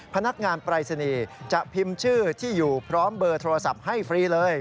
พนักงานปรายศนีย์จะพิมพ์ชื่อที่อยู่พร้อมเบอร์โทรศัพท์ให้ฟรีเลย